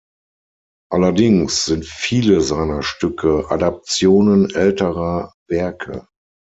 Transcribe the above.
Allerdings sind viele seiner Stücke Adaptionen älterer Werke.